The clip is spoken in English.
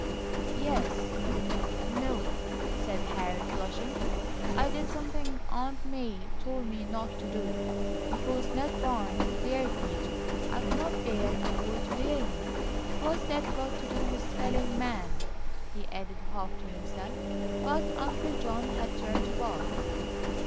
"Yes n o," said Harry, flushing. "I did something Aunt May told me not to do, because Ned Barnes dared me to. I cannot bear a boy to dare me. What's that got to do with spelling 'man'?" he added, half to himself. But Uncle John had turned to Bob.